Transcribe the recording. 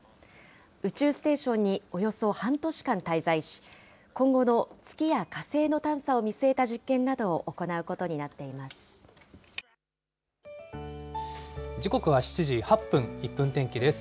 宇宙ステーションにおよそ半年間滞在し、今後の月や火星の探査を見据えた実験などを行うことになっていま時刻は７時８分、１分天気です。